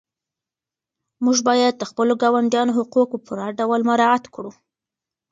موږ باید د خپلو ګاونډیانو حقوق په پوره ډول مراعات کړو.